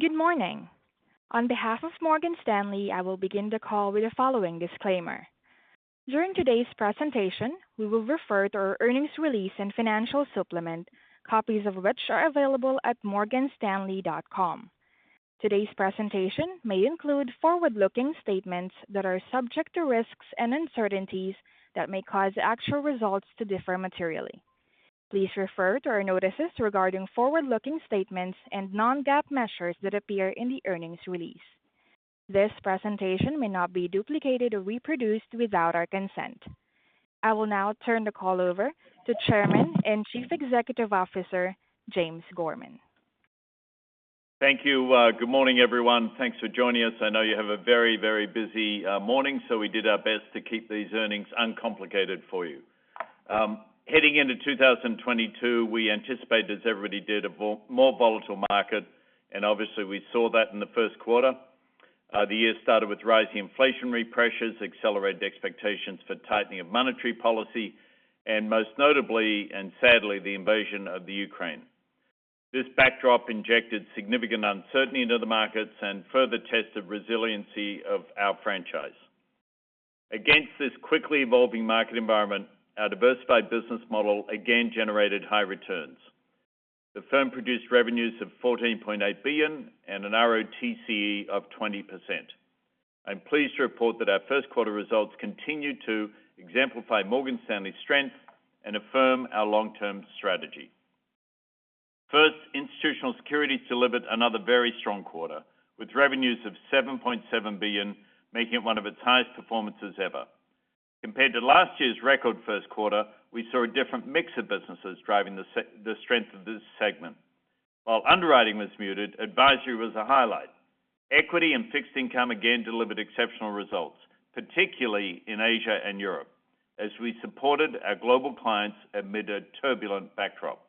Good morning. On behalf of Morgan Stanley, I will begin the call with the following disclaimer. During today's presentation, we will refer to our earnings release and financial supplement, copies of which are available at morganstanley.com. Today's presentation may include forward-looking statements that are subject to risks and uncertainties that may cause actual results to differ materially. Please refer to our notices regarding forward-looking statements and non-GAAP measures that appear in the earnings release. This presentation may not be duplicated or reproduced without our consent. I will now turn the call over to Chairman and Chief Executive Officer, James Gorman. Thank you. Good morning, everyone. Thanks for joining us. I know you have a very, very busy morning, so we did our best to keep these earnings uncomplicated for you. Heading into 2022, we anticipated, as everybody did, a more volatile market, and obviously, we saw that in the first quarter. The year started with rising inflationary pressures, accelerated expectations for tightening of monetary policy, and most notably and sadly, the invasion of the Ukraine. This backdrop injected significant uncertainty into the markets and further tested resiliency of our franchise. Against this quickly evolving market environment, our diversified business model again generated high returns. The firm produced revenues of $14.8 billion and an ROTCE of 20%. I'm pleased to report that our first quarter results continued to exemplify Morgan Stanley's strength and affirm our long-term strategy. First, Institutional Securities delivered another very strong quarter, with revenues of $7.7 billion, making it one of its highest performances ever. Compared to last year's record first quarter, we saw a different mix of businesses driving the strength of this segment. While underwriting was muted, advisory was a highlight. Equity and fixed income again delivered exceptional results, particularly in Asia and Europe, as we supported our global clients amid a turbulent backdrop.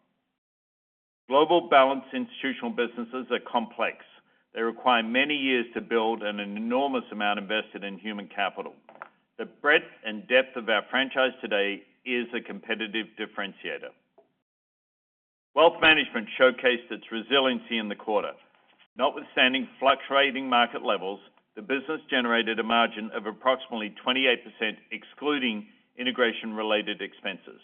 Global balanced institutional businesses are complex. They require many years to build and an enormous amount invested in human capital. The breadth and depth of our franchise today is a competitive differentiator. Wealth Management showcased its resiliency in the quarter. Notwithstanding fluctuating market levels, the business generated a margin of approximately 28% excluding integration related expenses.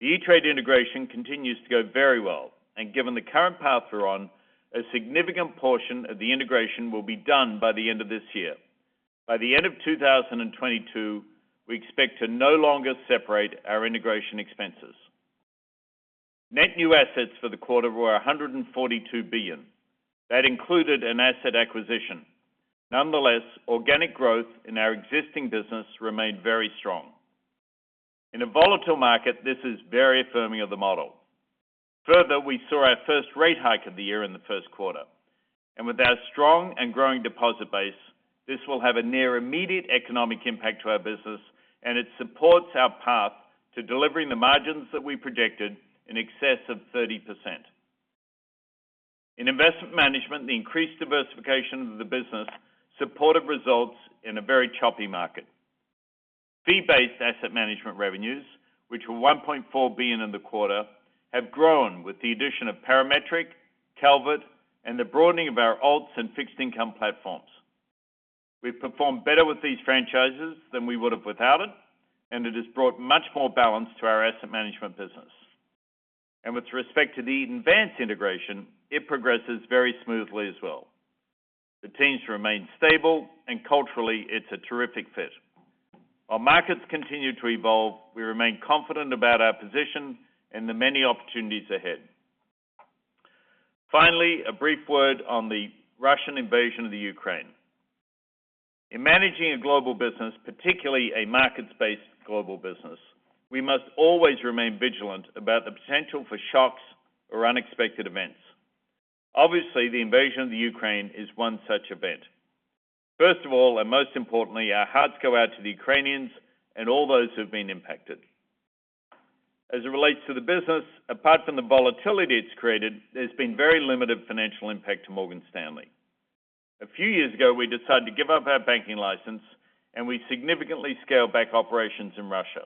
The E*TRADE integration continues to go very well, and given the current path we're on, a significant portion of the integration will be done by the end of this year. By the end of 2022, we expect to no longer separate our integration expenses. Net new assets for the quarter were $142 billion. That included an asset acquisition. Nonetheless, organic growth in our existing business remained very strong. In a volatile market, this is very affirming of the model. Further, we saw our first rate hike of the year in the first quarter. With our strong and growing deposit base, this will have a near immediate economic impact to our business, and it supports our path to delivering the margins that we projected in excess of 30%. In investment management, the increased diversification of the business supported results in a very choppy market. Fee-based asset management revenues, which were $1.4 billion in the quarter, have grown with the addition of Parametric, Calvert, and the broadening of our alts and fixed income platforms. We've performed better with these franchises than we would have without it, and it has brought much more balance to our asset management business. With respect to the Eaton Vance integration, it progresses very smoothly as well. The teams remain stable, and culturally, it's a terrific fit. While markets continue to evolve, we remain confident about our position and the many opportunities ahead. Finally, a brief word on the Russian invasion of the Ukraine. In managing a global business, particularly a markets-based global business, we must always remain vigilant about the potential for shocks or unexpected events. Obviously, the invasion of the Ukraine is one such event. First of all, and most importantly, our hearts go out to the Ukrainians and all those who've been impacted. As it relates to the business, apart from the volatility it's created, there's been very limited financial impact to Morgan Stanley. A few years ago, we decided to give up our banking license, and we significantly scaled back operations in Russia.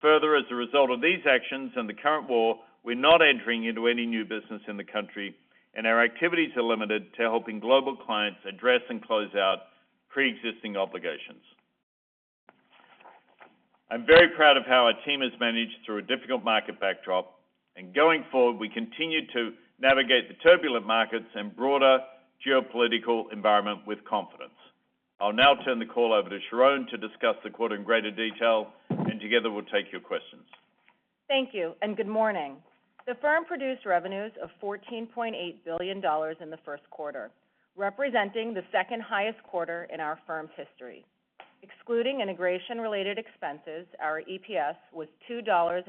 Further, as a result of these actions and the current war, we're not entering into any new business in the country, and our activities are limited to helping global clients address and close out pre-existing obligations. I'm very proud of how our team has managed through a difficult market backdrop, and going forward, we continue to navigate the turbulent markets and broader geopolitical environment with confidence. I'll now turn the call over to Sharon to discuss the quarter in greater detail, and together we'll take your questions. Thank you, and good morning. The firm produced revenues of $14.8 billion in the first quarter, representing the second-highest quarter in our firm's history. Excluding integration-related expenses, our EPS was $2.06,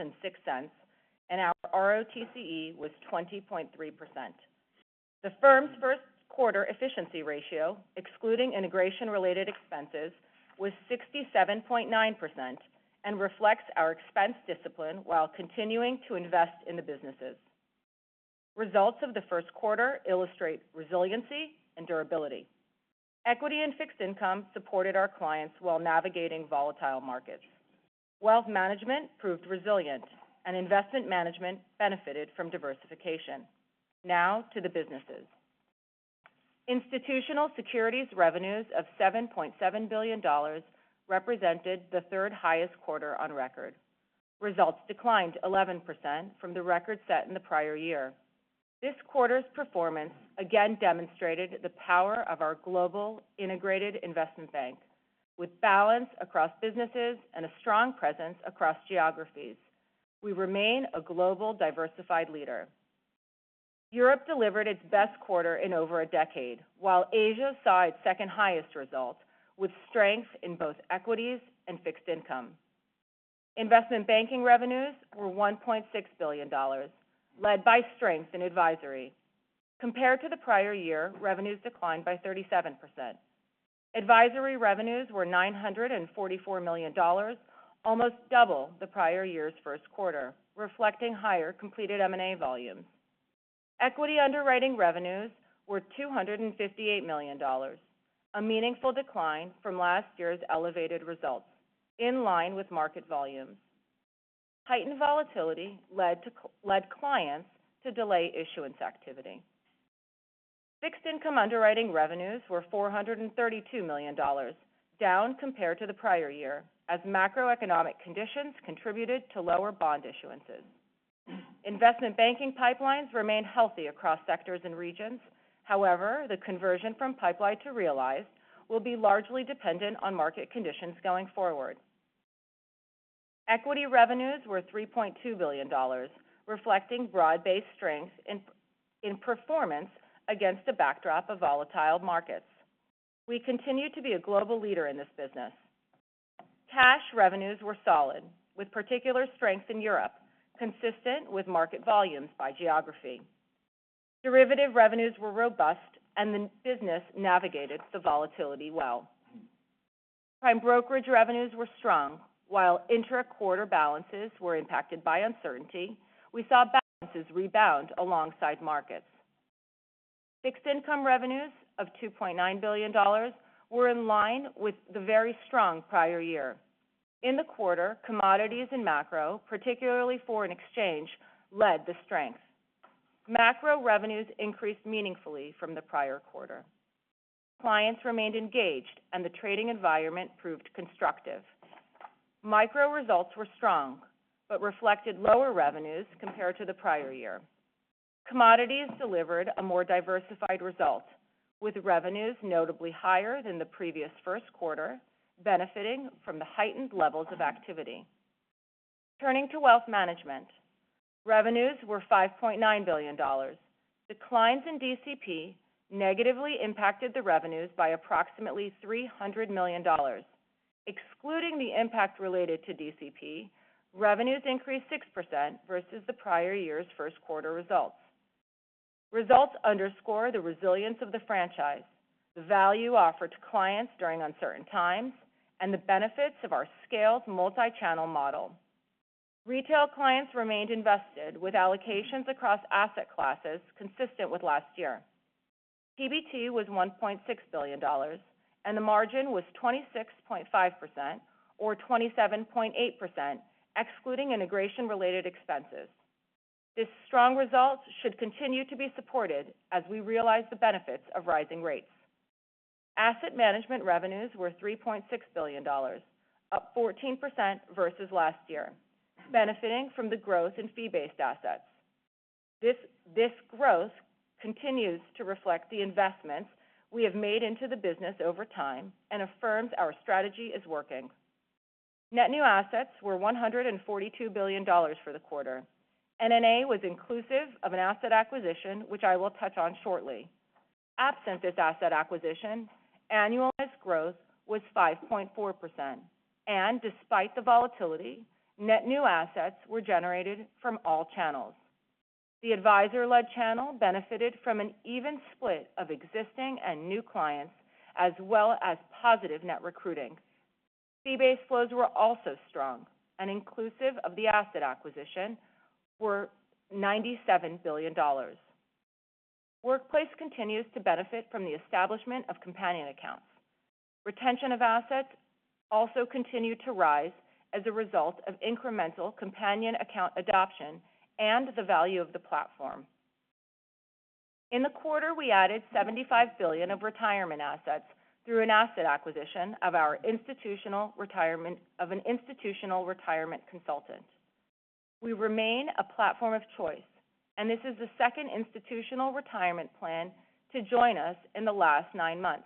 and our ROTCE was 20.3%. The firm's first quarter efficiency ratio, excluding integration-related expenses, was 67.9% and reflects our expense discipline while continuing to invest in the businesses. Results of the first quarter illustrate resiliency and durability. Equity and fixed income supported our clients while navigating volatile markets. Wealth Management proved resilient, and investment management benefited from diversification. Now to the businesses. Institutional Securities revenues of $7.7 billion represented the third highest quarter on record. Results declined 11% from the record set in the prior year. This quarter's performance again demonstrated the power of our global integrated investment bank. With balance across businesses and a strong presence across geographies, we remain a global diversified leader. Europe delivered its best quarter in over a decade, while Asia saw its second highest result with strength in both equities and fixed income. Investment banking revenues were $1.6 billion, led by strength in advisory. Compared to the prior year, revenues declined by 37%. Advisory revenues were $944 million, almost double the prior year's first quarter, reflecting higher completed M&A volumes. Equity underwriting revenues were $258 million, a meaningful decline from last year's elevated results in line with market volumes. Heightened volatility led clients to delay issuance activity. Fixed income underwriting revenues were $432 million, down compared to the prior year as macroeconomic conditions contributed to lower bond issuances. Investment banking pipelines remain healthy across sectors and regions. However, the conversion from pipeline to realized will be largely dependent on market conditions going forward. Equity revenues were $3.2 billion, reflecting broad-based strength in performance against a backdrop of volatile markets. We continue to be a global leader in this business. Cash revenues were solid, with particular strength in Europe consistent with market volumes by geography. Derivative revenues were robust, and the business navigated the volatility well. Prime brokerage revenues were strong. While intra-quarter balances were impacted by uncertainty, we saw balances rebound alongside markets. Fixed Income revenues of $2.9 billion were in line with the very strong prior year. In the quarter, Commodities and Macro, particularly Foreign Exchange, led the strength. Macro revenues increased meaningfully from the prior quarter. Clients remained engaged, and the trading environment proved constructive. Credit results were strong but reflected lower revenues compared to the prior year. Commodities delivered a more diversified result, with revenues notably higher than the previous first quarter benefiting from the heightened levels of activity. Turning to Wealth Management. Revenues were $5.9 billion. Declines in DCP negatively impacted the revenues by approximately $300 million. Excluding the impact related to DCP, revenues increased 6% versus the prior year's first quarter results. Results underscore the resilience of the franchise, the value offered to clients during uncertain times, and the benefits of our scaled multi-channel model. Retail clients remained invested with allocations across asset classes consistent with last year. PBT was $1.6 billion, and the margin was 26.5% or 27.8% excluding integration related expenses. This strong result should continue to be supported as we realize the benefits of rising rates. Asset Management revenues were $3.6 billion, up 14% versus last year, benefiting from the growth in fee-based assets. This growth continues to reflect the investments we have made into the business over time and affirms our strategy is working. Net new assets were $142 billion for the quarter. NNA was inclusive of an asset acquisition, which I will touch on shortly. Absent this asset acquisition, annualized growth was 5.4%. Despite the volatility, net new assets were generated from all channels. The advisor-led channel benefited from an even split of existing and new clients, as well as positive net recruiting. Fee-based flows were also strong, and inclusive of the asset acquisition were $97 billion. Workplace continues to benefit from the establishment of companion accounts. Retention of assets also continued to rise as a result of incremental companion account adoption and the value of the platform. In the quarter, we added $75 billion of retirement assets through an asset acquisition of an institutional retirement consultant. We remain a platform of choice, and this is the second institutional retirement plan to join us in the last nine months.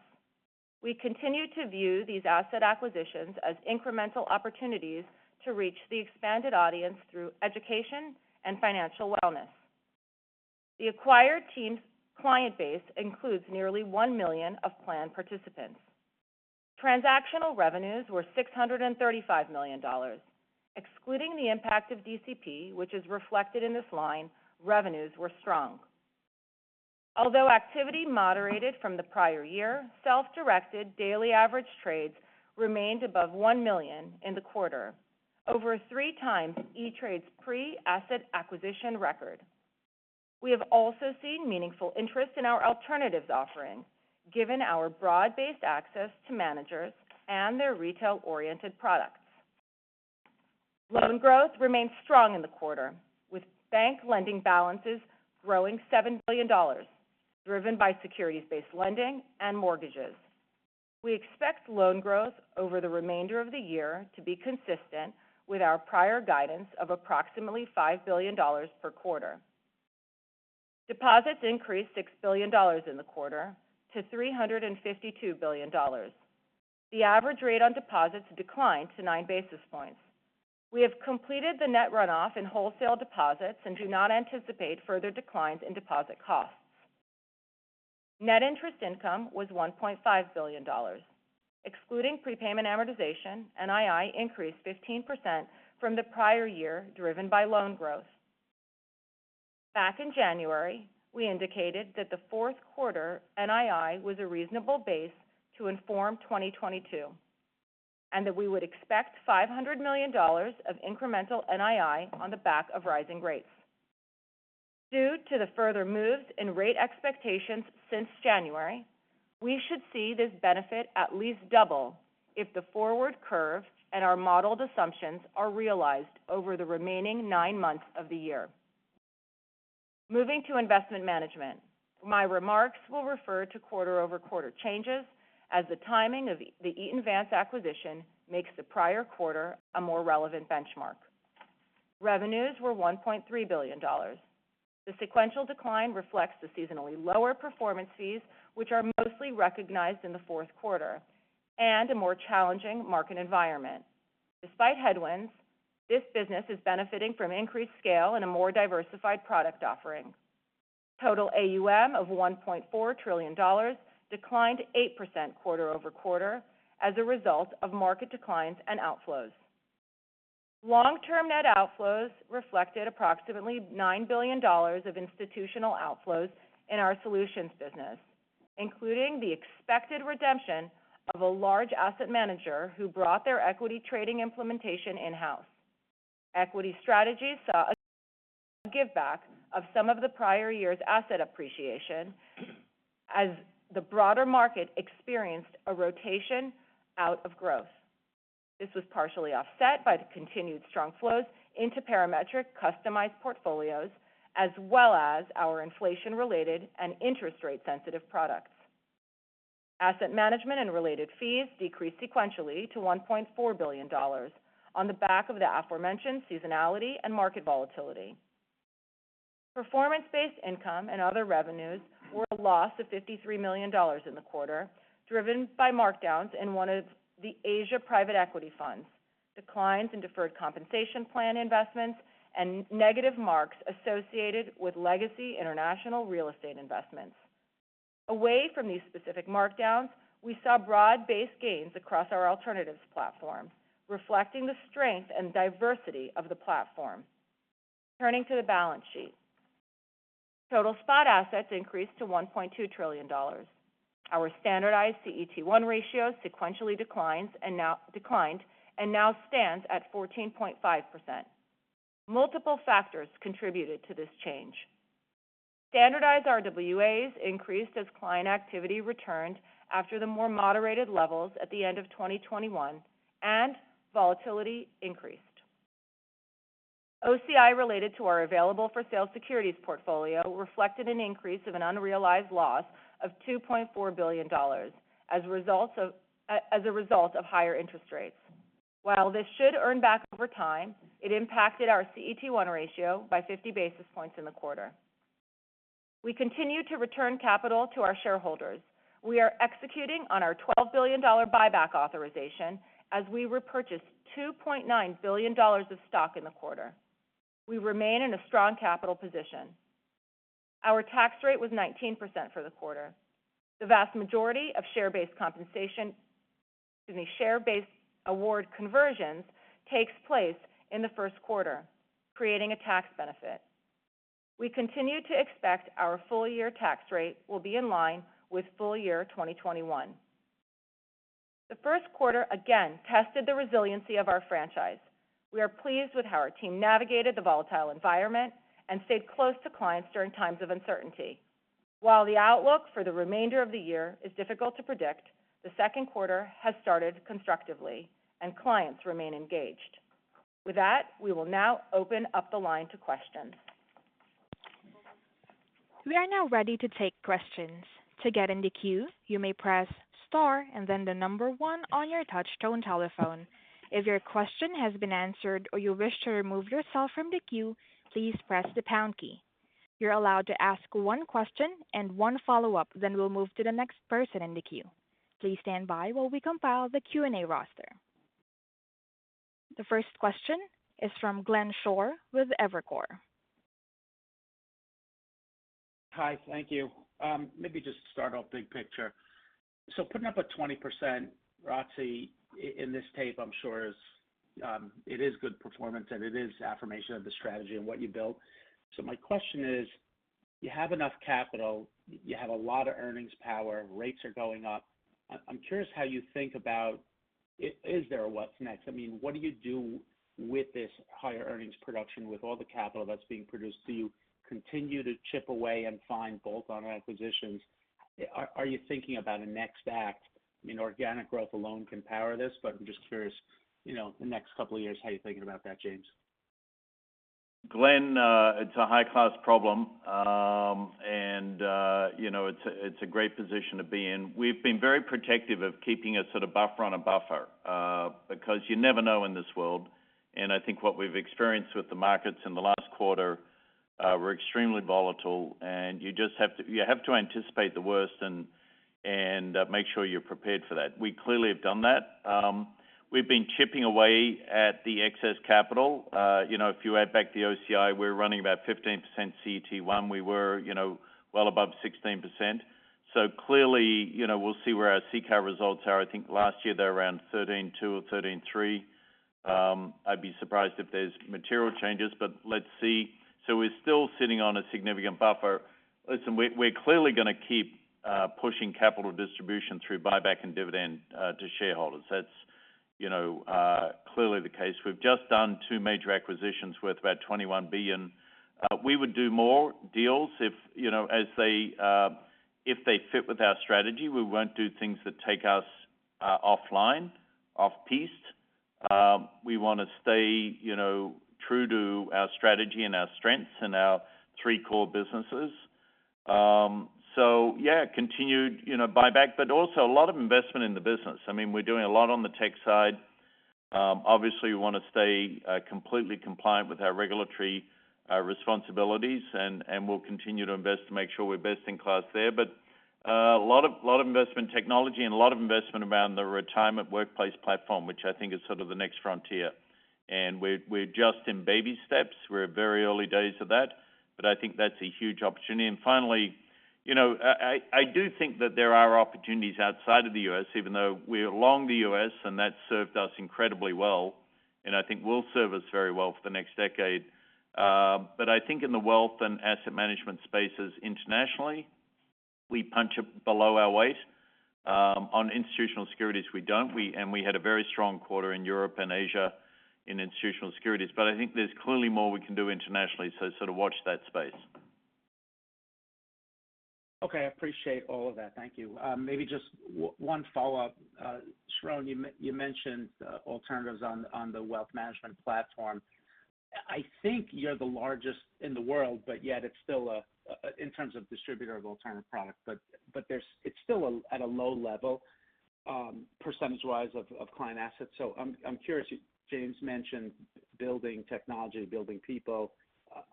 We continue to view these asset acquisitions as incremental opportunities to reach the expanded audience through education and financial wellness. The acquired team's client base includes nearly 1 million of plan participants. Transactional revenues were $635 million. Excluding the impact of DCP, which is reflected in this line, revenues were strong. Although activity moderated from the prior year, self-directed daily average trades remained above 1 million in the quarter, over 3x E*TRADE's pre-asset acquisition record. We have also seen meaningful interest in our alternatives offerings given our broad-based access to managers and their retail-oriented products. Loan growth remained strong in the quarter, with bank lending balances growing $7 billion, driven by securities-based lending and mortgages. We expect loan growth over the remainder of the year to be consistent with our prior guidance of approximately $5 billion per quarter. Deposits increased $6 billion in the quarter to $352 billion. The average rate on deposits declined to 9 basis points. We have completed the net runoff in wholesale deposits and do not anticipate further declines in deposit costs. Net interest income was $1.5 billion. Excluding prepayment amortization, NII increased 15% from the prior year, driven by loan growth. Back in January, we indicated that the fourth quarter NII was a reasonable base to inform 2022, and that we would expect $500 million of incremental NII on the back of rising rates. Due to the further moves in rate expectations since January, we should see this benefit at least double if the forward curve and our modeled assumptions are realized over the remaining nine months of the year. Moving to investment management. My remarks will refer to quarter-over-quarter changes as the timing of the Eaton Vance acquisition makes the prior quarter a more relevant benchmark. Revenues were $1.3 billion. The sequential decline reflects the seasonally lower performance fees, which are mostly recognized in the fourth quarter, and a more challenging market environment. Despite headwinds, this business is benefiting from increased scale and a more diversified product offering. Total AUM of $1.4 trillion declined 8% quarter-over-quarter as a result of market declines and outflows. Long-term net outflows reflected approximately $9 billion of institutional outflows in our solutions business, including the expected redemption of a large asset manager who brought their equity trading implementation in-house. Equity strategies saw a giveback of some of the prior year's asset appreciation as the broader market experienced a rotation out of growth. This was partially offset by the continued strong flows into Parametric customized portfolios as well as our inflation-related and interest rate sensitive products. Asset management and related fees decreased sequentially to $1.4 billion on the back of the aforementioned seasonality and market volatility. Performance-based income and other revenues were a loss of $53 million in the quarter, driven by markdowns in one of the Asia private equity funds, declines in deferred compensation plan investments, and negative marks associated with legacy international real estate investments. Away from these specific markdowns, we saw broad-based gains across our alternatives platform, reflecting the strength and diversity of the platform. Turning to the balance sheet. Total spot assets increased to $1.2 trillion. Our standardized CET1 ratio sequentially declined and now stands at 14.5%. Multiple factors contributed to this change. Standardized RWAs increased as client activity returned after the more moderated levels at the end of 2021 and volatility increased. OCI related to our available-for-sale securities portfolio reflected an increase of an unrealized loss of $2.4 billion as a result of higher interest rates. While this should earn back over time, it impacted our CET1 ratio by 50 basis points in the quarter. We continue to return capital to our shareholders. We are executing on our $12 billion buyback authorization as we repurchased $2.9 billion of stock in the quarter. We remain in a strong capital position. Our tax rate was 19% for the quarter. The vast majority of share-based award conversions takes place in the first quarter, creating a tax benefit. We continue to expect our full year tax rate will be in line with full year 2021. The first quarter again tested the resiliency of our franchise. We are pleased with how our team navigated the volatile environment and stayed close to clients during times of uncertainty. While the outlook for the remainder of the year is difficult to predict, the second quarter has started constructively and clients remain engaged. With that, we will now open up the line to questions. We are now ready to take questions. To get in the queue, you may press star and then the number one on your touch-tone telephone. If your question has been answered or you wish to remove yourself from the queue, please press the pound key. You're allowed to ask one question and one follow-up, then we'll move to the next person in the queue. Please stand by while we compile the Q&A roster. The first question is from Glenn Schorr with Evercore. Hi. Thank you. Maybe just start off big picture. Putting up a 20% ROTCE in this tape, I'm sure is, it is good performance, and it is affirmation of the strategy and what you built. My question is: you have enough capital, you have a lot of earnings power, rates are going up. I'm curious how you think about. Is there a what's next? I mean, what do you do with this higher earnings production, with all the capital that's being produced? Do you continue to chip away and find bolt-on acquisitions? Are you thinking about a next act? I mean, organic growth alone can power this, but I'm just curious, you know, the next couple of years, how you're thinking about that, James. Glenn, it's a high-cost problem. You know, it's a great position to be in. We've been very protective of keeping a sort of buffer on a buffer because you never know in this world, and I think what we've experienced with the markets in the last quarter were extremely volatile, and you just have to anticipate the worst and make sure you're prepared for that. We clearly have done that. We've been chipping away at the excess capital. You know, if you add back the OCI, we're running about 15% CET1. We were, you know, well above 16%. Clearly, you know, we'll see where our CCAR results are. I think last year they were around 13.2% or 13.3%. I'd be surprised if there's material changes, but let's see. We're still sitting on a significant buffer. We're clearly gonna keep pushing capital distribution through buyback and dividend to shareholders. That's, you know, clearly the case. We've just done two major acquisitions worth about $21 billion. We would do more deals if they fit with our strategy. We won't do things that take us offline, off-piste. We wanna stay, you know, true to our strategy and our strengths and our three core businesses. Yeah, continued, you know, buyback, but also a lot of investment in the business. I mean, we're doing a lot on the tech side. Obviously we wanna stay completely compliant with our regulatory responsibilities, and we'll continue to invest to make sure we're best in class there. A lot of investment technology and a lot of investment around the retirement workplace platform, which I think is sort of the next frontier. We're just in baby steps. We're at very early days of that, but I think that's a huge opportunity. Finally, you know, I do think that there are opportunities outside of the U.S., even though we're long the U.S., and that served us incredibly well, and I think will serve us very well for the next decade. I think in the wealth and asset management spaces internationally, we punch below our weight. On Institutional Securities, we don't. We had a very strong quarter in Europe and Asia in Institutional Securities. I think there's clearly more we can do internationally, so sort of watch that space. Okay. I appreciate all of that. Thank you. Maybe just one follow-up. Sharon, you mentioned alternatives on the Wealth Management platform. I think you're the largest in the world, but yet it's still a in terms of distributor of alternative products. But it's still at a low level percentage-wise of client assets. So I'm curious. James mentioned building technology, building people.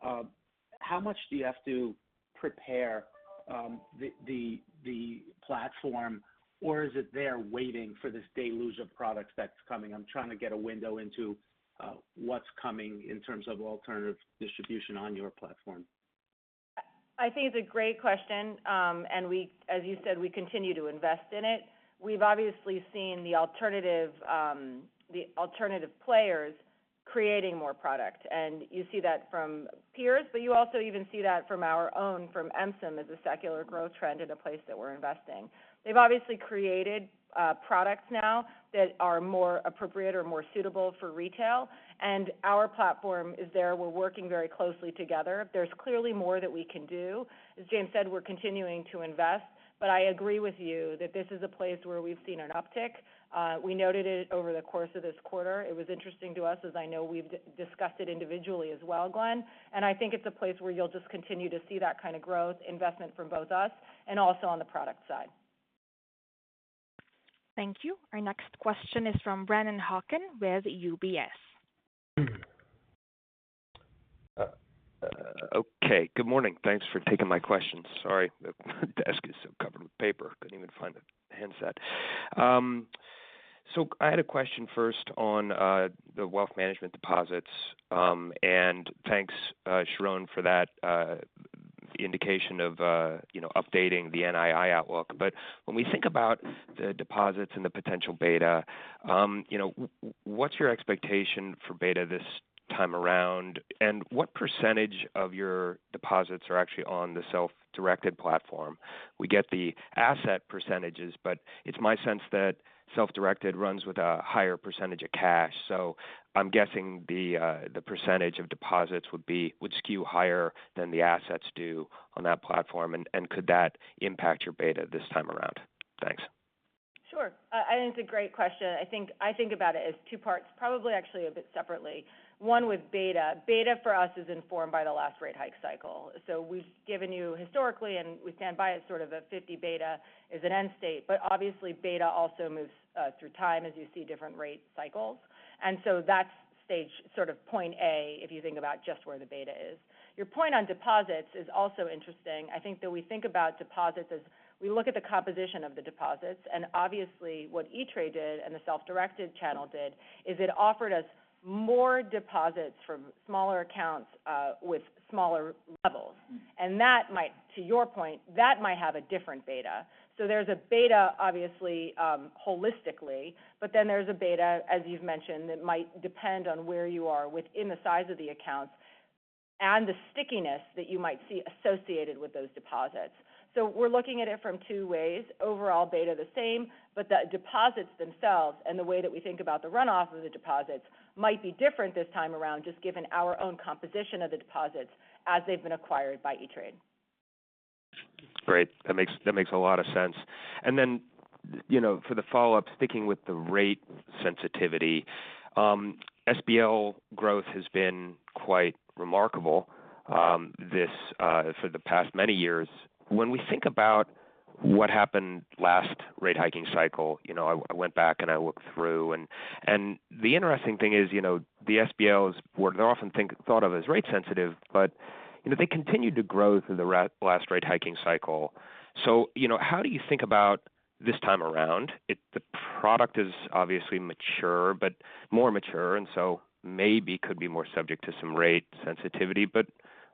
How much do you have to prepare the platform, or is it there waiting for this deluge of products that's coming? I'm trying to get a window into what's coming in terms of alternative distribution on your platform. I think it's a great question. As you said, we continue to invest in it. We've obviously seen the alternative players creating more product. You see that from peers, but you also even see that from our own MSIM, as a secular growth trend in a place that we're investing. They've obviously created products now that are more appropriate or more suitable for retail, and our platform is there. We're working very closely together. There's clearly more that we can do. As James said, we're continuing to invest. I agree with you that this is a place where we've seen an uptick. We noted it over the course of this quarter. It was interesting to us, as I know we've discussed it individually as well, Glenn. I think it's a place where you'll just continue to see that kind of growth investment from both us and also on the product side. Thank you. Our next question is from Brennan Hawken with UBS. Okay. Good morning. Thanks for taking my questions. Sorry, my desk is so covered with paper, couldn't even find a handset. I had a question first on the Wealth Management deposits. Thanks, Sharon for that the indication of you know updating the NII outlook. When we think about the deposits and the potential beta, you know what's your expectation for beta this time around? And what percentage of your deposits are actually on the self-directed platform? We get the asset percentages, but it's my sense that self-directed runs with a higher percentage of cash. So I'm guessing the percentage of deposits would skew higher than the assets due on that platform, and could that impact your beta this time around? Thanks. Sure. I think it's a great question. I think about it as two parts, probably, actually a bit separately. One with beta. Beta for us is informed by the last rate hike cycle. We've given you historically, and we stand by it sort of a 50 beta as an end state. Obviously, beta also moves through time as you see different rate cycles. That's stage sort of point A, if you think about just where the beta is. Your point on deposits is also interesting. I think that we think about deposits as we look at the composition of the deposits. Obviously, what E*TRADE did and the self-directed channel did is it offered us more deposits from smaller accounts with smaller levels. That might, to your point, have a different beta. There's a beta obviously, holistically, but then there's a beta, as you've mentioned, that might depend on where you are within the size of the accounts. The stickiness that you might see associated with those deposits. We're looking at it from two ways. Overall beta the same, but the deposits themselves and the way that we think about the runoff of the deposits might be different this time around, just given our own composition of the deposits as they've been acquired by E*TRADE. Great. That makes a lot of sense. you know, for the follow-up, sticking with the rate sensitivity, SBL growth has been quite remarkable for the past many years. When we think about what happened last rate hiking cycle, you know, I went back and I looked through and the interesting thing is, you know, the SBLs were often thought of as rate sensitive, but you know, they continued to grow through the last rate hiking cycle. you know, how do you think about this time around? The product is obviously mature, but more mature, and so maybe could be more subject to some rate sensitivity.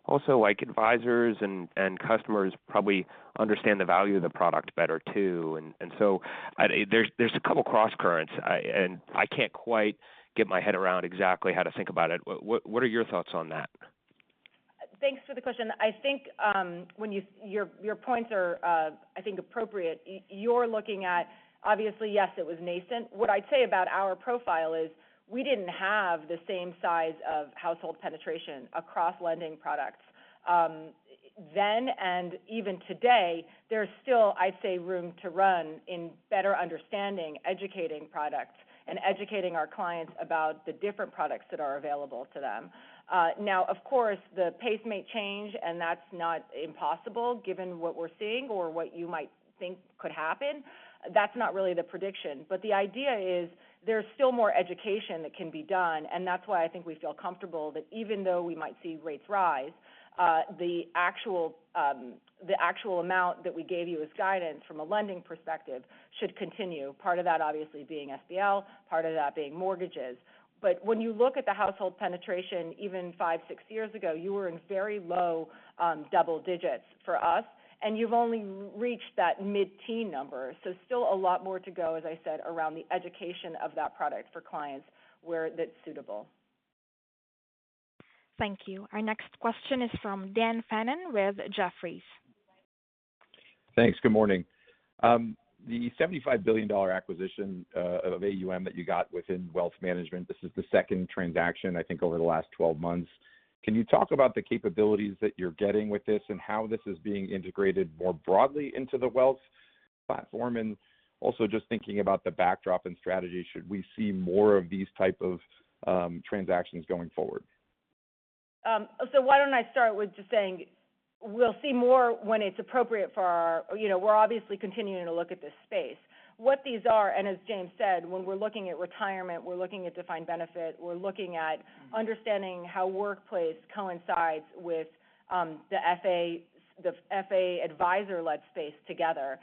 Also like advisors and customers probably understand the value of the product better too. There's a couple crosscurrents. I can't quite get my head around exactly how to think about it. What are your thoughts on that? Thanks for the question. I think your points are, I think appropriate. You're looking at obviously, yes, it was nascent. What I'd say about our profile is we didn't have the same size of household penetration across lending products. Then and even today, there's still, I'd say, room to run in better understanding, educating products and educating our clients about the different products that are available to them. Now, of course, the pace may change, and that's not impossible given what we're seeing or what you might think could happen. That's not really the prediction. The idea is there's still more education that can be done, and that's why I think we feel comfortable that even though we might see rates rise, the actual amount that we gave you as guidance from a lending perspective should continue. Part of that obviously being SBL, part of that being mortgages. When you look at the household penetration, even five, six years ago, you were in very low double digits for us, and you've only reached that mid-teen number. Still a lot more to go, as I said, around the education of that product for clients where that's suitable. Thank you. Our next question is from Dan Fannon with Jefferies. Thanks. Good morning. The $75 billion acquisition of AUM that you got within Wealth Management, this is the second transaction, I think, over the last 12 months. Can you talk about the capabilities that you're getting with this and how this is being integrated more broadly into the wealth platform? Just thinking about the backdrop and strategy, should we see more of these type of transactions going forward? Why don't I start with just saying we'll see more when it's appropriate for our. You know, we're obviously continuing to look at this space. What these are, and as James said, when we're looking at retirement, we're looking at defined benefit, we're looking at understanding how workplace coincides with the FA advisor-led space together.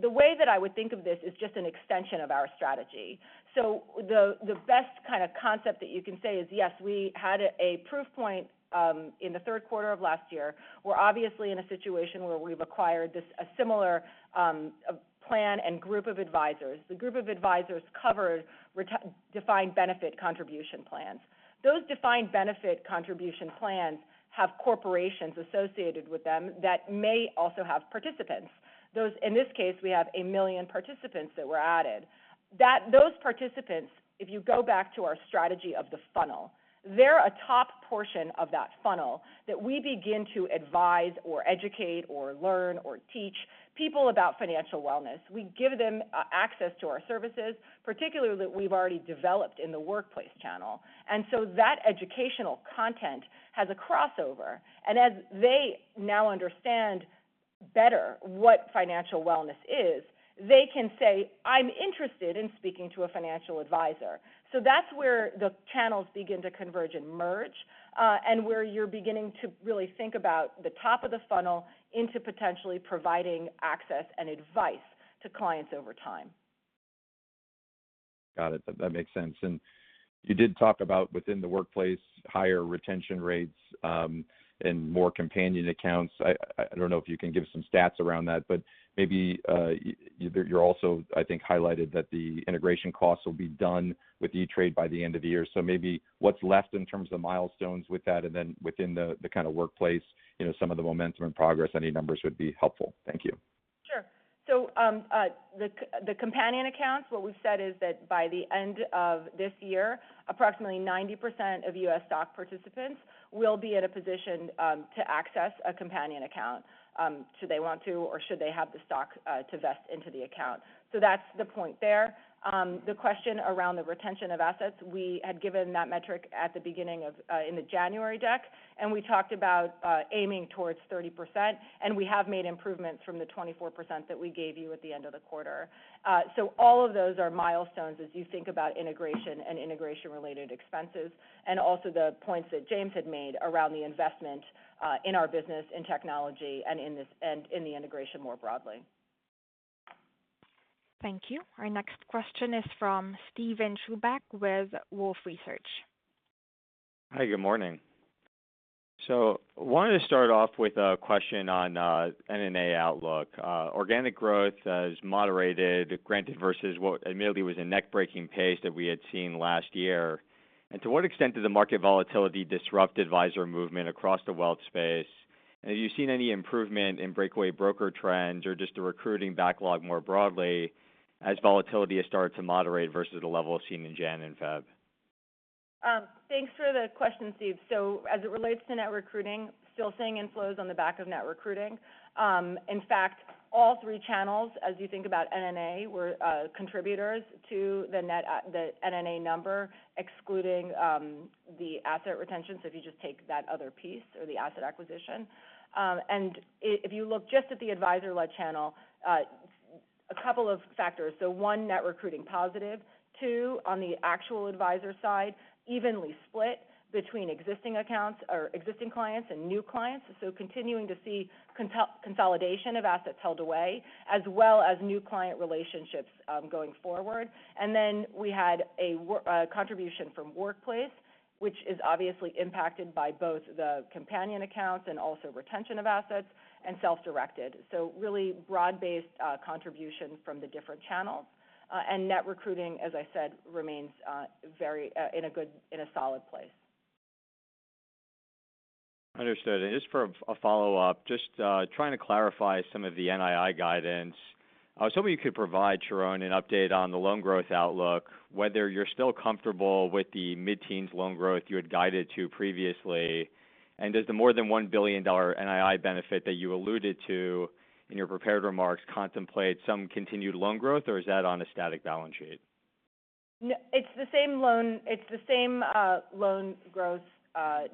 The way that I would think of this is just an extension of our strategy. The best kind of concept that you can say is, yes, we had a proof point in the third quarter of last year. We're obviously in a situation where we've acquired a similar plan and group of advisors. The group of advisors covered defined benefit contribution plans. Those defined benefit contribution plans have corporations associated with them that may also have participants. Those, in this case, we have 1 million participants that were added. Those participants, if you go back to our strategy of the funnel, they're a top portion of that funnel that we begin to advise or educate or learn or teach people about financial wellness. We give them access to our services, particularly that we've already developed in the workplace channel. That educational content has a crossover. As they now understand better what financial wellness is, they can say, "I'm interested in speaking to a financial advisor." That's where the channels begin to converge and merge, and where you're beginning to really think about the top of the funnel into potentially providing access and advice to clients over time. Got it. That makes sense. You did talk about within the workplace, higher retention rates, and more companion accounts. I don't know if you can give some stats around that, but maybe you're also, I think, highlighted that the integration costs will be done with E*TRADE by the end of the year. Maybe what's left in terms of milestones with that and then within the kind of workplace, you know, some of the momentum and progress, any numbers would be helpful. Thank you. Sure. The companion accounts, what we've said is that by the end of this year, approximately 90% of U.S. stock participants will be in a position to access a companion account, should they want to or should they have the stock to vest into the account. That's the point there. The question around the retention of assets, we had given that metric at the beginning, in the January deck, and we talked about aiming towards 30%, and we have made improvements from the 24% that we gave you at the end of the quarter. All of those are milestones as you think about integration and integration-related expenses, and also the points that James had made around the investment in our business, in technology, and in the integration more broadly. Thank you. Our next question is from Steven Chubak with Wolfe Research. Hi, good morning. Wanted to start off with a question on NNA outlook. Organic growth has moderated, granted versus what admittedly was a breakneck pace that we had seen last year. To what extent did the market volatility disrupt advisor movement across the wealth space? Have you seen any improvement in breakaway broker trends or just the recruiting backlog more broadly as volatility has started to moderate versus the level we've seen in January and February? Thanks for the question, Steve. As it relates to net recruiting, still seeing inflows on the back of net recruiting. In fact, all three channels, as you think about NNA, were contributors to the NNA number, excluding the asset retention. If you just take that other piece or the asset acquisition. If you look just at the advisor-led channel, a couple of factors. One, net recruiting positive. Two, on the actual advisor side, evenly split between existing accounts or existing clients and new clients. Continuing to see consolidation of assets held away, as well as new client relationships, going forward. Then we had a contribution from Workplace, which is obviously impacted by both the companion accounts and also retention of assets and self-directed. Really broad-based contribution from the different channels. Net recruiting, as I said, remains very in a solid place. Understood. Just for a follow-up, trying to clarify some of the NII guidance. I was hoping you could provide, Sharon, an update on the loan growth outlook, whether you're still comfortable with the mid-teens loan growth you had guided to previously. Does the more than $1 billion NII benefit that you alluded to in your prepared remarks contemplate some continued loan growth, or is that on a static balance sheet? No. It's the same loan, the same loan growth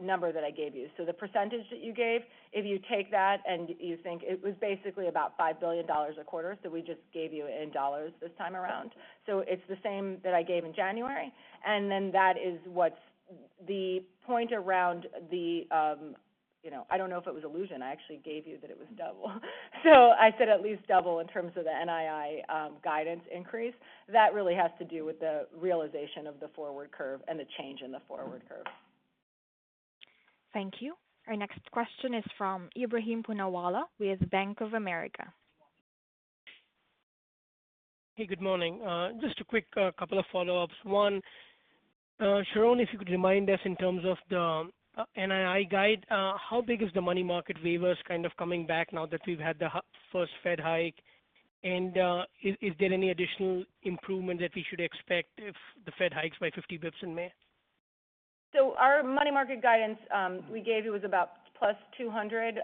number that I gave you. The percentage that you gave, if you take that and you think it was basically about $5 billion a quarter. We just gave you in dollars this time around. It's the same that I gave in January. That is what's the point around the, you know, I don't know if it was allusion. I actually gave you that it was double. I said at least double in terms of the NII guidance increase. That really has to do with the realization of the forward curve and the change in the forward curve. Thank you. Our next question is from Ebrahim Poonawala with Bank of America. Hey, good morning. Just a quick couple of follow-ups. One, Sharon, if you could remind us in terms of the NII guide, how big is the money market waivers kind of coming back now that we've had the first Fed hike? And, is there any additional improvement that we should expect if the Fed hikes by 50 bps in May? Our money market guidance we gave you was about +$200 million,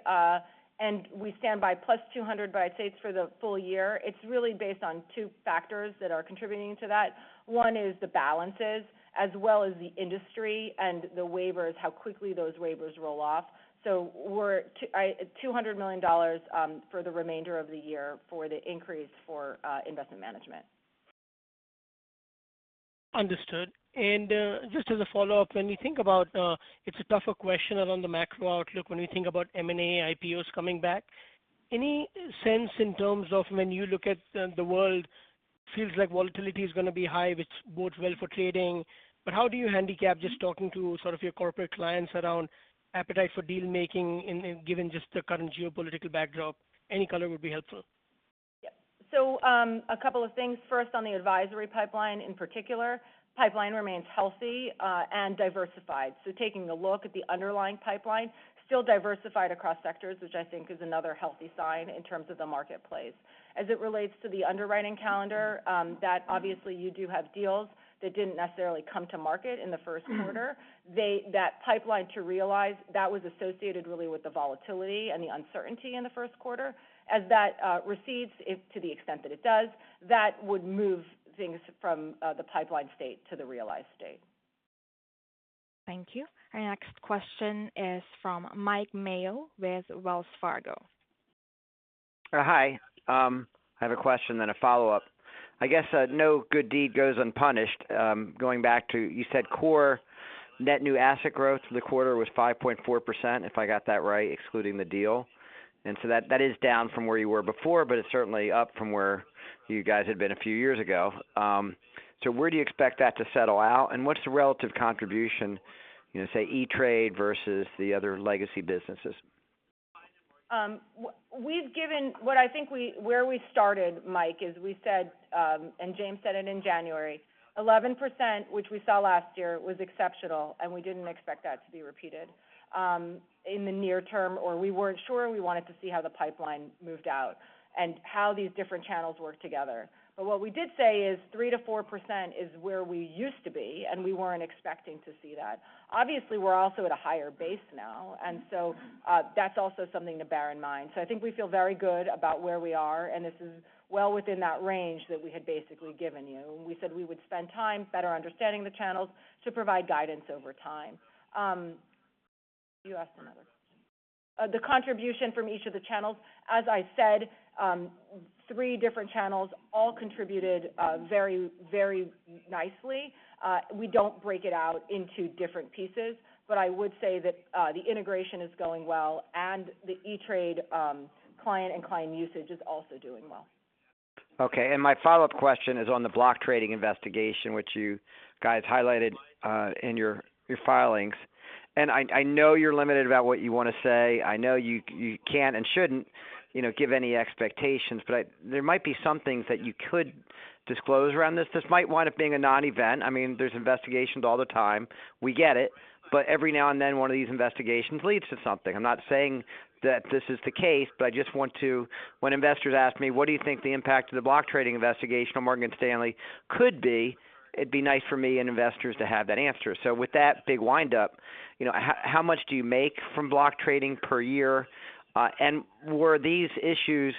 and we stand by +$200 million, but I'd say it's for the full year. It's really based on two factors that are contributing to that. One is the balances as well as the industry and the waivers, how quickly those waivers roll off. We're $200 million for the remainder of the year for the increase for investment management. Understood. Just as a follow-up, when you think about, it's a tougher question around the macro outlook, when you think about M&A, IPOs coming back. Any sense in terms of when you look at the world feels like volatility is gonna be high, which bodes well for trading, but how do you handicap just talking to sort of your corporate clients around appetite for deal-making in given just the current geopolitical backdrop? Any color would be helpful. A couple of things. First, on the advisory pipeline in particular, pipeline remains healthy, and diversified. Taking a look at the underlying pipeline, still diversified across sectors, which I think is another healthy sign in terms of the marketplace. As it relates to the underwriting calendar, that obviously you do have deals that didn't necessarily come to market in the first quarter. That pipeline to realize that was associated really with the volatility and the uncertainty in the first quarter. As that recedes, if to the extent that it does, that would move things from the pipeline state to the realized state. Thank you. Our next question is from Mike Mayo with Wells Fargo. Hi. I have a question, then a follow-up. I guess, no good deed goes unpunished. Going back to you said core net new asset growth for the quarter was 5.4%, if I got that right, excluding the deal. That is down from where you were before, but it's certainly up from where you guys had been a few years ago. Where do you expect that to settle out? What's the relative contribution, you know, say, E*TRADE versus the other legacy businesses? Where we started, Mike, is we said, and James said it in January, 11%, which we saw last year was exceptional, and we didn't expect that to be repeated in the near term, or we weren't sure, we wanted to see how the pipeline moved out and how these different channels work together. What we did say is 3%-4% is where we used to be, and we weren't expecting to see that. Obviously, we're also at a higher base now, and that's also something to bear in mind. I think we feel very good about where we are, and this is well within that range that we had basically given you. We said we would spend time better understanding the channels to provide guidance over time. You asked another. The contribution from each of the channels, as I said, three different channels all contributed very, very nicely. We don't break it out into different pieces, but I would say that the integration is going well and the E*TRADE client and client usage is also doing well. Okay. My follow-up question is on the block trading investigation, which you guys highlighted in your filings. I know you're limited about what you want to say. I know you can't and shouldn't, you know, give any expectations, but there might be some things that you could disclose around this. This might wind up being a non-event. I mean, there's investigations all the time. We get it. Every now and then, one of these investigations leads to something. I'm not saying that this is the case, but I just want to, when investors ask me, "What do you think the impact of the block trading investigation on Morgan Stanley could be?" It'd be nice for me and investors to have that answer. With that big wind up, you know, how much do you make from block trading per year? Were these issues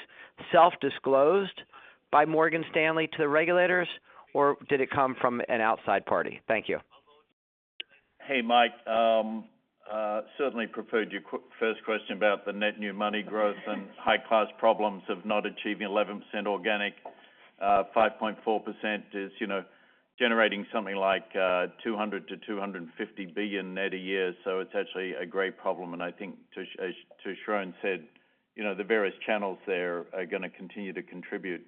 self-disclosed by Morgan Stanley to the regulators, or did it come from an outside party? Thank you. Hey, Mike. Certainly preferred your first question about the net new money growth and high-class problems of not achieving 11% organic. 5.4% is, you know, generating something like $200 billion-$250 billion net a year. It's actually a great problem. I think as Sharon said, you know, the various channels there are gonna continue to contribute.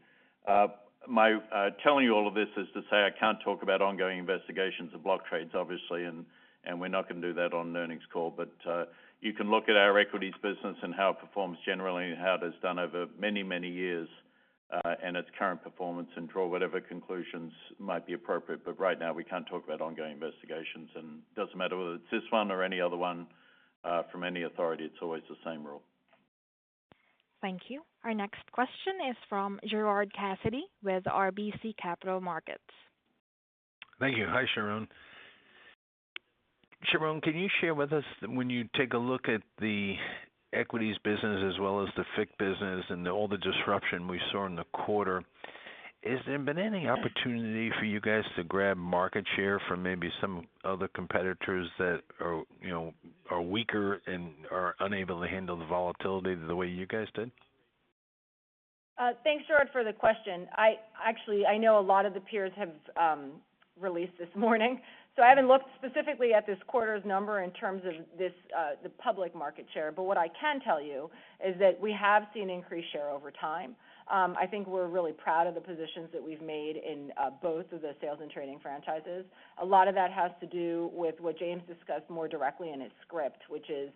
My telling you all of this is to say, I can't talk about ongoing investigations of block trades, obviously, and we're not gonna do that on an earnings call. You can look at our equities business and how it performs generally, how it has done over many, many years, and its current performance, and draw whatever conclusions might be appropriate. Right now, we can't talk about ongoing investigations. It doesn't matter whether it's this one or any other one from any authority. It's always the same rule. Thank you. Our next question is from Gerard Cassidy with RBC Capital Markets. Thank you. Hi, Sharon. Sharon, can you share with us when you take a look at the equities business as well as the FIC business and all the disruption we saw in the quarter, has there been any opportunity for you guys to grab market share from maybe some other competitors that are, you know, are weaker and are unable to handle the volatility the way you guys did? Thanks, Gerard, for the question. I actually know a lot of the peers have released this morning, so I haven't looked specifically at this quarter's number in terms of this, the public market share. What I can tell you is that we have seen increased share over time. I think we're really proud of the positions that we've made in both of the sales and trading franchises. A lot of that has to do with what James discussed more directly in his script, which is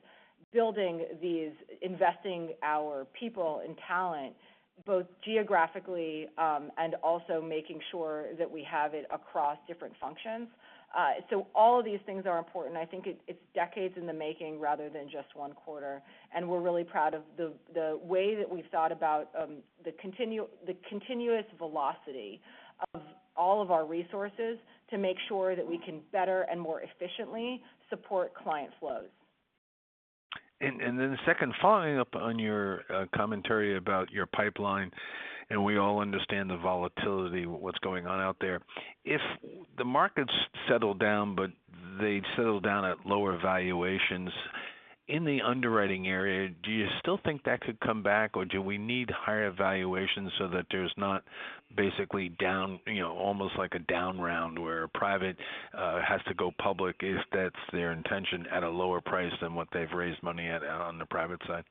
building these, investing our people and talent, both geographically, and also making sure that we have it across different functions. So all of these things are important. I think it's decades in the making rather than just one quarter. We're really proud of the way that we've thought about the continuous velocity of all of our resources to make sure that we can better and more efficiently support client flows. Then the second, following up on your commentary about your pipeline, and we all understand the volatility, what's going on out there. If the markets settle down, but they settle down at lower valuations, in the underwriting area, do you still think that could come back or do we need higher valuations so that there's not basically down, you know, almost like a down round where private has to go public if that's their intention at a lower price than what they've raised money at on the private side?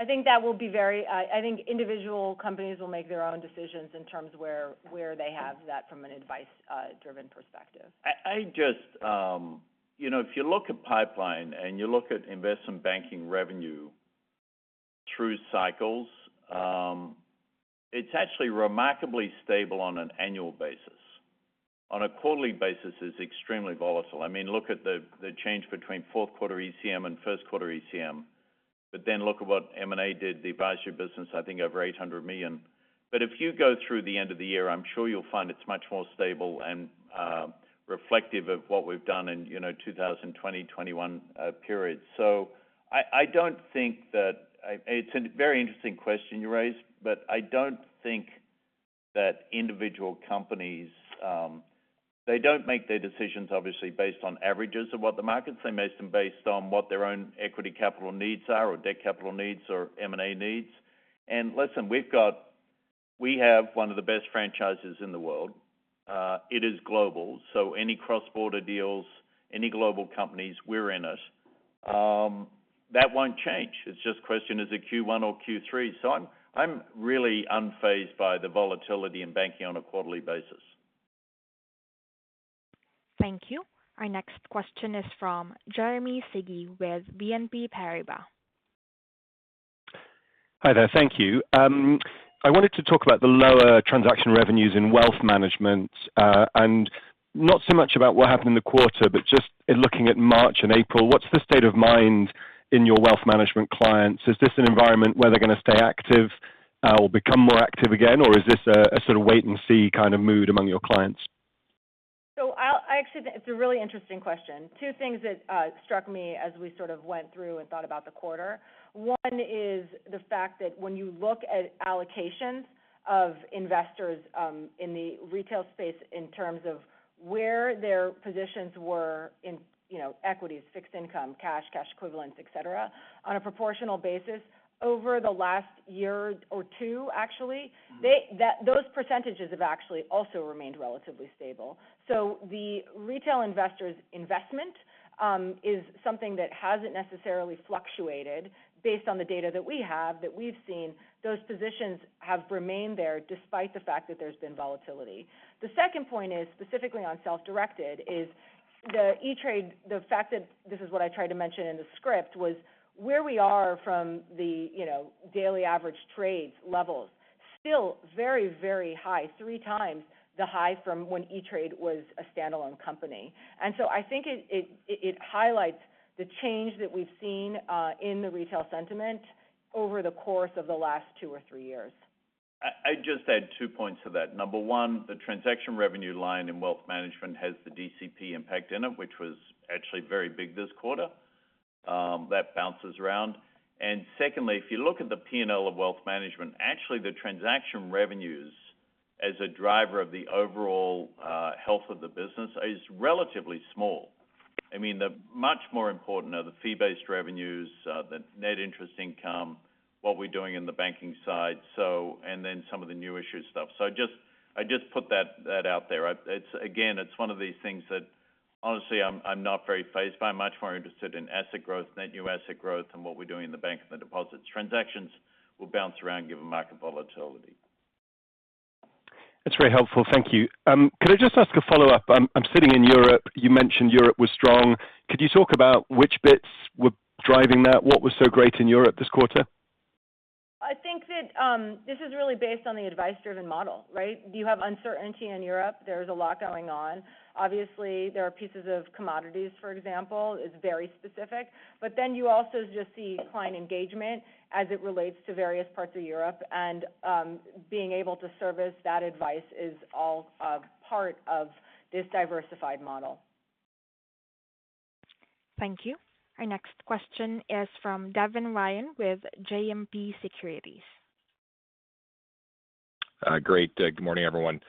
I think individual companies will make their own decisions in terms of where they have that from an advice-driven perspective. I just, you know, if you look at pipeline and you look at investment banking revenue through cycles, it's actually remarkably stable on an annual basis. On a quarterly basis, it's extremely volatile. I mean, look at the change between fourth quarter ECM and first quarter ECM. Look at what M&A did, the advisory business, I think over $800 million. If you go through the end of the year, I'm sure you'll find it's much more stable and reflective of what we've done in, you know, 2020, 2021 periods. I don't think that. It's a very interesting question you raised, but I don't think that individual companies, they don't make their decisions, obviously, based on averages of what the markets, they make them based on what their own equity capital needs are or debt capital needs or M&A needs. Listen, we have one of the best franchises in the world. It is global. Any cross-border deals, any global companies, we're in it. That won't change. It's just question is it Q1 or Q3? I'm really unfazed by the volatility in banking on a quarterly basis. Thank you. Our next question is from Jeremy Sigee with BNP Paribas. Hi there. Thank you. I wanted to talk about the lower transaction revenues in Wealth Management and not so much about what happened in the quarter, but just in looking at March and April, what's the state of mind in your Wealth Management clients? Is this an environment where they're gonna stay active or become more active again, or is this a sort of wait and see kind of mood among your clients? I actually think it's a really interesting question. Two things that struck me as we sort of went through and thought about the quarter. One is the fact that when you look at allocations of investors in the retail space in terms of where their positions were in, you know, equities, fixed income, cash equivalents, et cetera, on a proportional basis over the last year or two, actually, those percentages have actually also remained relatively stable. The retail investors investment is something that hasn't necessarily fluctuated based on the data that we have, that we've seen those positions have remained there despite the fact that there's been volatility. The second point is specifically on self-directed, is the E*TRADE, the fact that this is what I tried to mention in the script was where we are from the, you know, daily average trades levels, still very, very high, three times the high from when E*TRADE was a standalone company. I think it highlights the change that we've seen in the retail sentiment over the course of the last two or three years. I just add two points to that. Number one, the transaction revenue line in Wealth Management has the DCP impact in it, which was actually very big this quarter, that bounces around. Secondly, if you look at the P&L of Wealth Management, actually the transaction revenues as a driver of the overall health of the business is relatively small. I mean, the much more important are the fee-based revenues, the net interest income, what we're doing in the banking side, and then some of the new issue stuff. I just put that out there. It's again one of these things that honestly I'm not very phased by. Much more interested in asset growth, net new asset growth, and what we're doing in the bank and the deposits. Transactions will bounce around given market volatility. That's very helpful. Thank you. Could I just ask a follow-up? I'm sitting in Europe. You mentioned Europe was strong. Could you talk about which bits were driving that? What was so great in Europe this quarter? I think that this is really based on the advice-driven model, right? You have uncertainty in Europe. There's a lot going on. Obviously, there are pieces of commodities, for example, is very specific. You also just see client engagement as it relates to various parts of Europe and being able to service that advice is all part of this diversified model. Thank you. Our next question is from Devin Ryan with JMP Securities. Great. Good morning, everyone.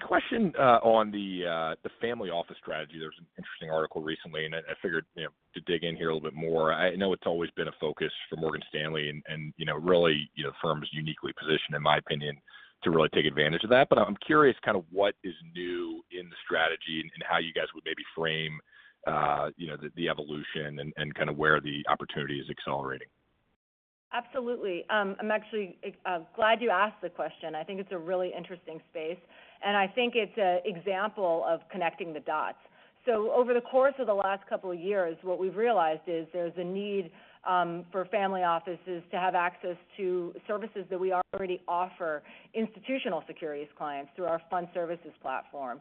Question on the family office strategy. There was an interesting article recently, and I figured, you know, to dig in here a little bit more. I know it's always been a focus for Morgan Stanley and, you know, really, you know, firm's uniquely positioned, in my opinion, to really take advantage of that. I'm curious kind of what is new in the strategy and how you guys would maybe frame, you know, the evolution and kind of where the opportunity is accelerating. Absolutely. I'm actually glad you asked the question. I think it's a really interesting space, and I think it's an example of connecting the dots. Over the course of the last couple of years, what we've realized is there's a need for family offices to have access to services that we already offer Institutional Securities clients through our fund services platform.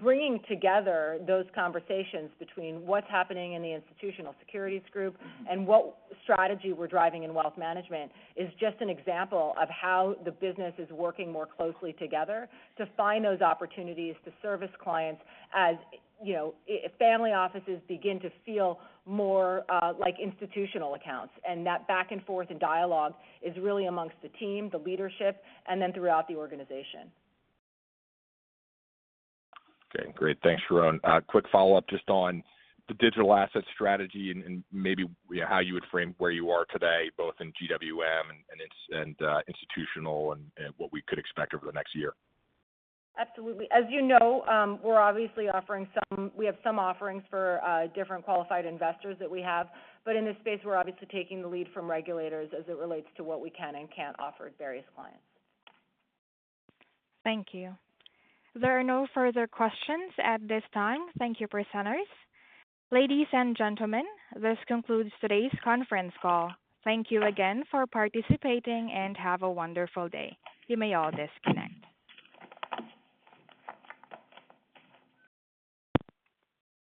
Bringing together those conversations between what's happening in the Institutional Securities group and what strategy we're driving in Wealth Management is just an example of how the business is working more closely together to find those opportunities to service clients as, you know, family offices begin to feel more like institutional accounts. That back and forth and dialogue is really amongst the team, the leadership, and then throughout the organization. Okay. Great. Thanks, Sharon. Quick follow-up just on the digital asset strategy and maybe how you would frame where you are today, both in GWM and institutional and what we could expect over the next year. Absolutely. As you know, we have some offerings for different qualified investors that we have, but in this space, we're obviously taking the lead from regulators as it relates to what we can and can't offer various clients. Thank you. There are no further questions at this time. Thank you, presenters. Ladies and gentlemen, this concludes today's conference call. Thank you again for participating and have a wonderful day. You may all disconnect.